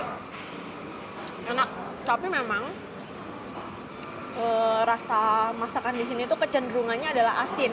enak tapi memang rasa masakan di sini itu kecenderungannya adalah asin